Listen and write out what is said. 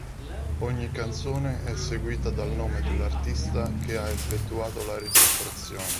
Ogni canzone è seguita dal nome dell'artista che ha effettuato la registrazione.